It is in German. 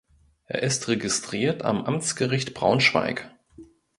Er ist registriert am Amtsgericht Braunschweig.